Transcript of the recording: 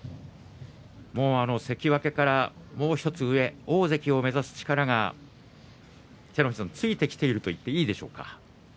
関脇からもう１つ上大関を目指す力がついてきているといってもいいでしょうか。